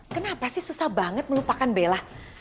kenapa sih susah banget melupakan bela